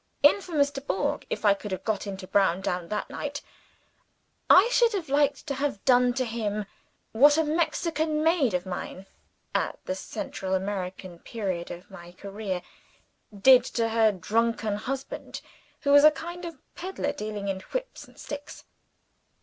Infamous Dubourg! If I could have got into Browndown that night, I should have liked to have done to him what a Mexican maid of mine (at the Central American period of my career) did to her drunken husband who was a kind of peddler, dealing in whips and sticks.